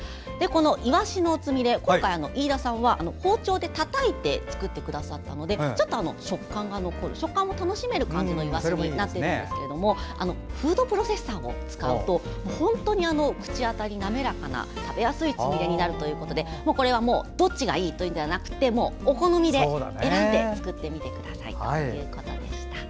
イワシのつみれ、今回飯田さんは包丁でたたいて作ってくださったので食感が残る食感を楽しめる感じのイワシになっているんですがフードプロセッサーを使うと本当に口当たり滑らかな食べやすいつみれになるのでどっちがいいというのではなくお好みで選んで作ってみてくださいということでした。